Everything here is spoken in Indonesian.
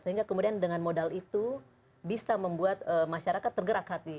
sehingga kemudian dengan modal itu bisa membuat masyarakat tergerak hati